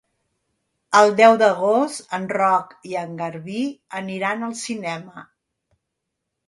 El deu d'agost en Roc i en Garbí aniran al cinema.